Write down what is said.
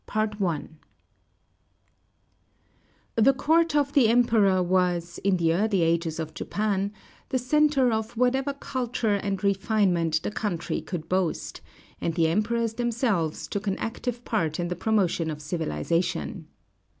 The court of the Emperor was, in the early ages of Japan, the centre of whatever culture and refinement the country could boast, and the emperors themselves took an active part in the promotion of civilization.